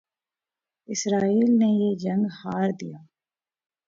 اسرائیل نے یہ جنگ ہار دیا